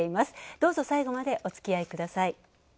どうぞ最後までおつきあいください。